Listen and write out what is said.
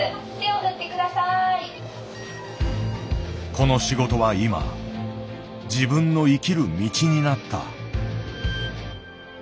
この仕事は今自分の生きる道になった。